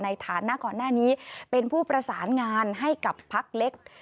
ในฐานะก่อนหน้านี้เป็นผู้ประสานงานให้กับพักเล็ก